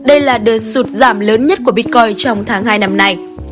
đây là đợt sụt giảm lớn nhất của bitcoin trong tháng hai năm nay